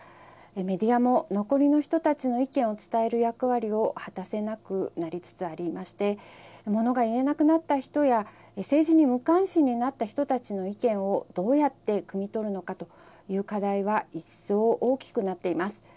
メディアも、残りの人たちの意見を伝える役割を果たせなくなりつつありまして物が言えなくなった人や政治に無関心になった人たちの意見をどうやってくみ取るのかという課題は一層大きくなっています。